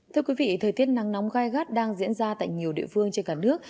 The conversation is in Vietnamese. thưa quý vị thời tiết nắng nóng gai gắt đang diễn ra tại nhiều địa phương trên cả nước